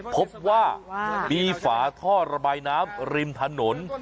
พบว่ามีฝาท่อระบายน้ำริมถนน